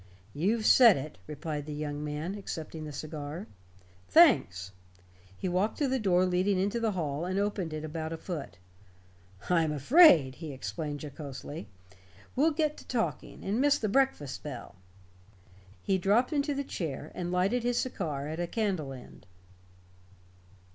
"You've said it," replied the young man, accepting the cigar. "Thanks." He walked to the door leading into the hall and opened it about a foot. "I'm afraid," he explained jocosely, "we'll get to talking, and miss the breakfast bell." He dropped into the chair, and lighted his cigar at a candle end.